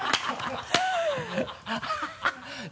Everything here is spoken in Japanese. ハハハ